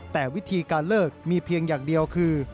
แต่วิธีการเลิกมีเพียงอย่างเดียวคือ